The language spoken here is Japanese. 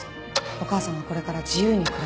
「お母さんはこれから自由に暮らす」。